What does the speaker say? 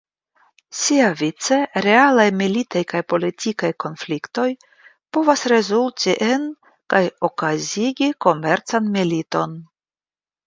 Siavice realaj militaj kaj politikaj konfliktoj povas rezulti en kaj okazigi komercan militon.